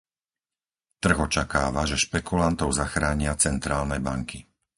Trh očakáva, že špekulantov zachránia centrálne banky.